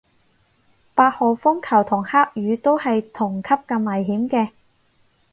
八號風球同黑雨都係同級咁危險嘅